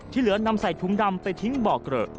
เหลือนำใส่ถุงดำไปทิ้งบ่อเกลอะ